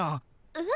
えっ？